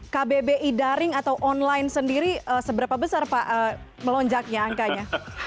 kbbi daring atau online sendiri seberapa besar pak melonjaknya angkanya